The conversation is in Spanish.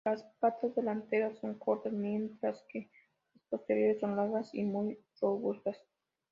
Las patas delanteras son cortas, mientras que las posteriores son largas y muy robustas.